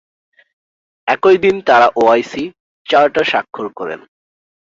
একই দিন তাঁরা ওআইসি চার্টার স্বাক্ষর করেন।